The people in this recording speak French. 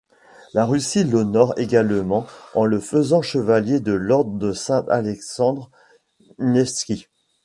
La Russie l'honore également en le faisant chevalier de l'ordre de Saint-Alexandre Nevski.